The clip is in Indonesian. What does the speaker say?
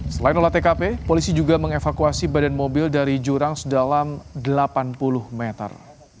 selain olah tkp polisi juga mengevakuasi badan mobil dari jurang sedalam delapan puluh meter